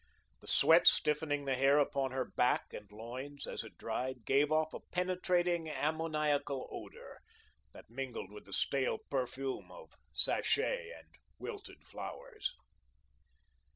The sweat stiffening the hair upon her back and loins, as it dried, gave off a penetrating, ammoniacal odour that mingled with the stale perfume of sachet and wilted flowers.